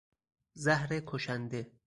زهر کشنده